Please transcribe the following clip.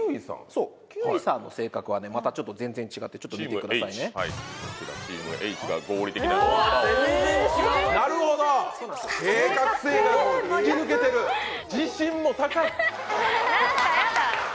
そう休井さんの性格はねまたちょっと全然違ってちょっと見てくださいねチームＨが合理的な論破王なるほど計画性が突き抜けてる自信も高い何かやだ